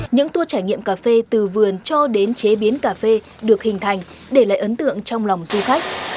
những tour trải nghiệm cà phê từ vườn cho đến chế biến cà phê được hình thành để lại ấn tượng trong lòng du khách